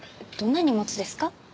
どんな荷物ですか？